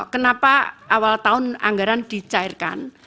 kenapa awal tahun anggaran dicairkan